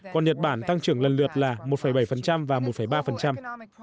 còn nhật bản tăng trưởng lần lượt lên mức hai hai trong năm hai nghìn hai mươi